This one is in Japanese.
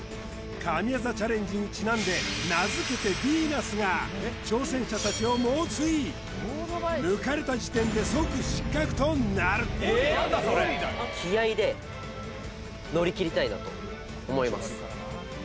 神業チャレンジにちなんで名付けてヴィーナスが抜かれた時点で即失格となると思います